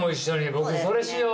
僕それしよう。